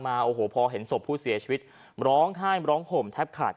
ในรถคันนึงเขาพุกอยู่ประมาณกี่โมงครับ๔๕นัท